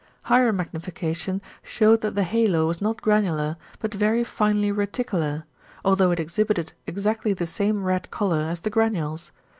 Higher magnification shewed that the halo was not granular, but very finely reticular; although it exhibited exactly the same red colour as the granules.